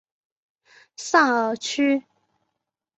萨尔屈。